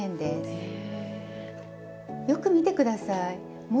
へえ。